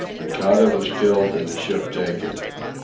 Moncada was killed, and the ship taken.